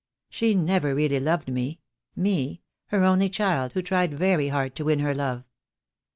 She never really loved me — me, her only child, who tried very hard to win her love.